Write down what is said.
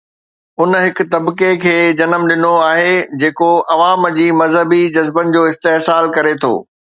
ان هڪ طبقي کي جنم ڏنو آهي جيڪو عوام جي مذهبي جذبن جو استحصال ڪري ٿو.